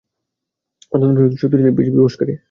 অত্যন্ত শক্তিশালী পেশী বিবশকারী।